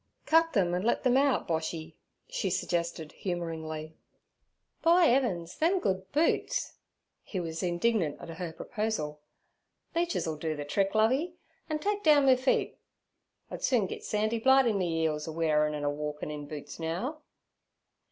'Cut them and let them out, Boshy' she suggested humouringly. 'By 'eavens! them good boots.' He was indignant at her proposal. 'Leeches 'll do ther trick, Lovey, an' take down me feet. I'd soon git sandy blight in me 'eels a wearin' an' a walkin' in boots now.'